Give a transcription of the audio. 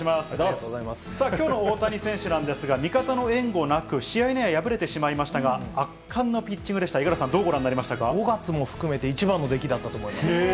さあ、きょうの大谷選手なんですが、味方の援護なく、試合、敗れてしまいましたが、圧巻のピッチングでした、５月も含めて一番の出来だったと思います。